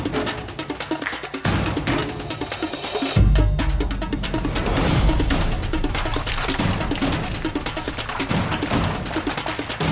dompetnya ketinggalan lagi